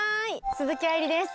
鈴木愛理です！